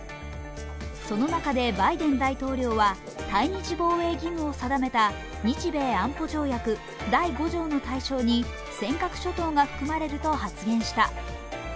その中でバイデン大統領は、対日防衛義務を定めた日米安保条約第５条の対象に尖閣諸島が含まれると発言した。